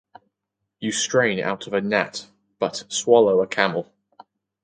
You strain out a gnat but swallow a camel!